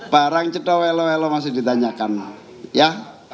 barang cedolol masih ditanyakan ya